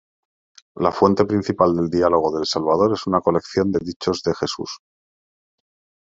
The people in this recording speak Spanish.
La fuente principal del Diálogo del Salvador es una colección de dichos de Jesús.